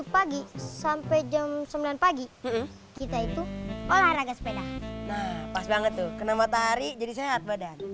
tujuh pagi sampai jam sembilan pagi kita itu olahraga sepeda pas banget tuh kenapa tari jadi sehat badan